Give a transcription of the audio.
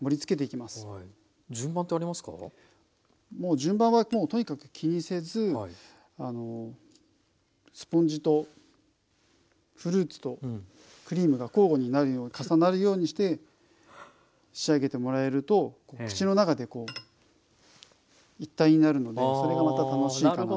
順番はもうとにかく気にせずスポンジとフルーツとクリームが交互になるよう重なるようにして仕上げてもらえると口の中でこう一体になるのでそれがまた楽しいかなと。